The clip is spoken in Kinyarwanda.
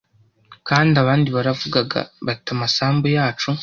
Kandi abandi baravugaga bati Amasambu yacu